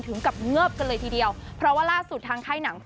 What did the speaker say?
ถึงกับเงิบกันเลยทีเดียวเพราะว่าล่าสุดทางค่ายหนัง